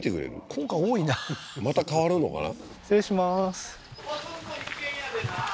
今回多いなまた変わるのかな？